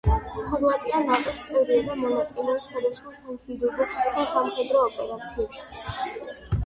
ხორვატია ნატო-ს წევრია და მონაწილეობს სხვადასხვა სამშვიდობო და სამხედრო ოპერაციებში.